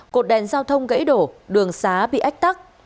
cột đèn giao thông gãy đổ đường xá bị ách tắc